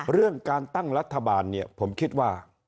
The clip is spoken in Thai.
เรื่องการตั้งรัฐบาลเนี่ยผมคิดว่า